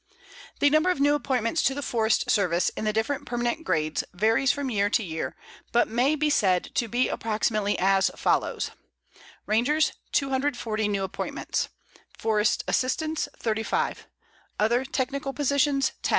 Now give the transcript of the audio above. The number of new appointments to the Forest Service in the different permanent grades varies from year to year but may be said to be approximately as follows: Rangers, 240 new appointments; Forest Assistants, 35; other technical positions, 10.